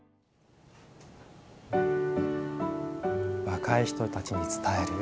若い人たちに伝える。